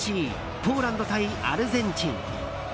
ポーランド対アルゼンチン。